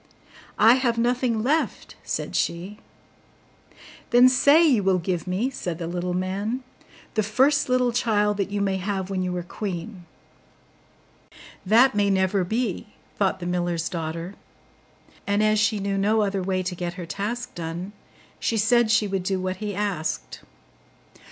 'I have nothing left,' said she. 'Then say you will give me,' said the little man, 'the first little child that you may have when you are queen.' 'That may never be,' thought the miller's daughter: and as she knew no other way to get her task done, she said she would do what he asked.